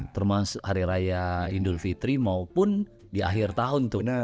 termasuk hari raya idul fitri maupun di akhir tahun